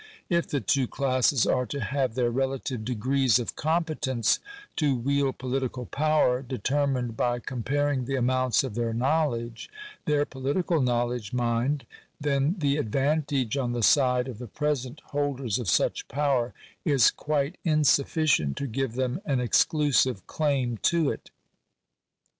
If the two classes are to have their relative degrees of competence to wield political power determined by comparing the amounts of their knowledge— their political knowledge, mind— then the advantage on the side of the present holders of such power is quite insufficient to give them an exclusive claim to it.